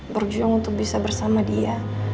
berjuang untuk bisa bersama dia